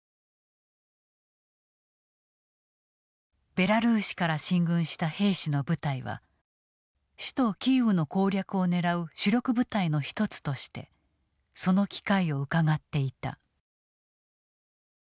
ベラルーシから進軍した兵士の部隊は首都キーウの攻略を狙う主力部隊の一つとしてその機会をうかがっていた。